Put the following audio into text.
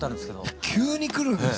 いや急に来るんです。